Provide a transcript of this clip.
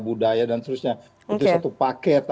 budaya dan seterusnya itu satu paket